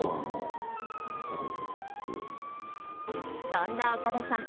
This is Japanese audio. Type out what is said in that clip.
そんな岡田さん